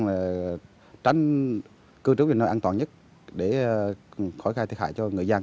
chúng ta sẽ tránh cư trú về nơi an toàn nhất để khỏi khai thiệt hại cho người dân